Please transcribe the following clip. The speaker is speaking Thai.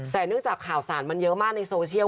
แต่เนื่องจากข่าวสารมันเยอะมากในโซเชียล